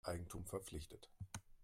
Eigentum verpflichtet.